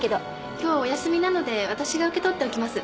今日お休みなのでわたしが受け取っておきます。